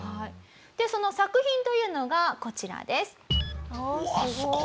でその作品というのがこちらです。